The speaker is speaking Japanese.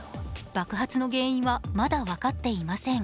爆発の原因はまだ分かっていません。